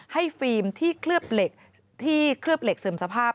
ให้ฟิล์มที่เคลือบเหล็กเสริมสภาพ